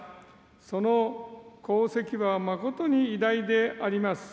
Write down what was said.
その功績は誠に偉大であります。